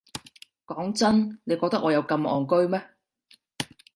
講真，你覺得我有咁戇居咩？